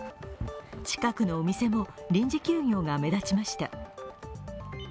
近くのお店も、臨時休業が目立ちました。